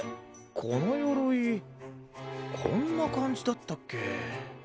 このよろいこんなかんじだったっけ？